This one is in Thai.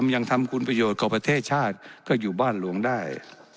ยังทำคุณประโยชน์ของประเทศชาติก็อยู่บ้านหลวงได้